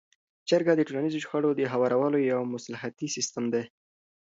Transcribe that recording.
جرګه د ټولنیزو شخړو د هوارولو یو مصلحتي سیستم دی.